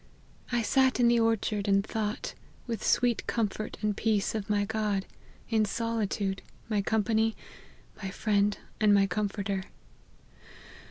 I sat in the orchard, and thought, with sweet comfort and peace, of my God ; in solitude, my company, my friend and comforter.